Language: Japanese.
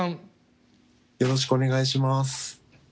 よろしくお願いします。